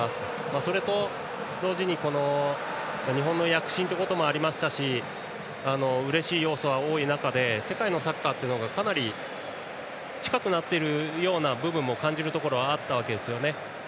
それと同時に、日本の躍進ということもありましたしうれしい要素が多い中で世界のサッカーというのがかなり近くなっているような部分も感じるところはあったわけですね。